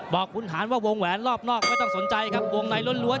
บอกคุณหารว่าวงแหวนรอบนอกไม่ต้องสนใจครับวงในล้วน